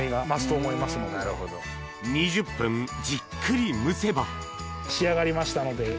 ２０分じっくり蒸せば仕上がりましたので。